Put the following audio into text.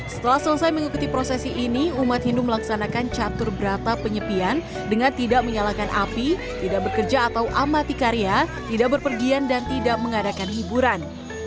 setelah selesai mengikuti prosesi ini umat hindu melaksanakan catur berata penyepian dengan tidak menyalakan api tidak bekerja atau amati karya tidak berpergian dan tidak mengadakan hiburan